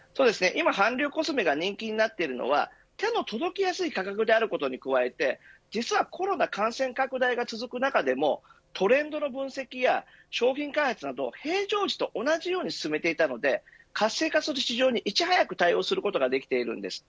今、韓流コスメが人気になっているのは手の届きやすい価格であることに加えて実はコロナ感染拡大が続く中でもトレンドの分析や商品開発など、平常時と同じように進めていたので活性化する市場に、いち早く対応することができているんです。